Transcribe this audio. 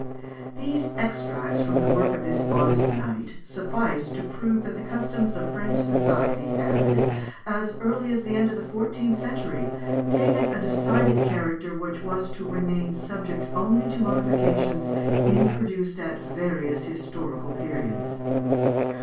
These extracts from the work of this honest knight, suffice to prove that the customs of French society had, as early as the end of the fourteenth century, taken a decided character which was to remain subject only to modifications introduced at various historical periods.